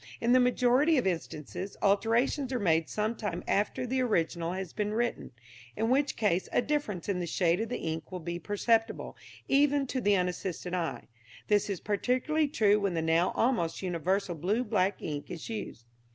In the majority of instances alterations are made some time after the original has been written, in which case a difference in the shade of the ink will be perceptible, even to the unassisted eye. This is particularly true when the now almost universal blue black ink is used.